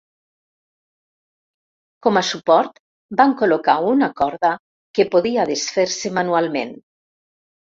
Com a suport, van col·locar una corda que podia desfer-se manualment.